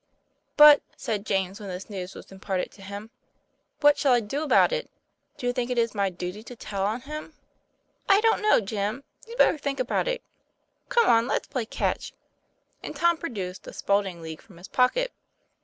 "But," said James, when this news was imparted to him, "what shall I do about it? Do you think it my duty to tell on him?" "I don't know, Jim; you'd better think about it. Come on, let's play catch;" and Tom produced a Spalding league from his pocket.